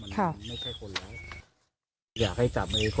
แย่แย่มากเลย